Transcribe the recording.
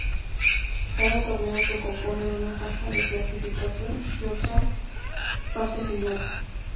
Cada torneo se compone de una fase de clasificación y otra fase final.